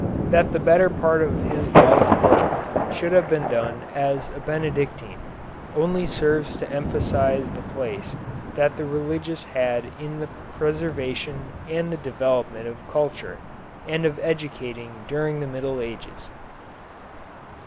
That the better part of his life work should have been done as a Benedictine only serves to emphasize the place that the religious had in the preservation and the development of culture and of education during the Middle Ages.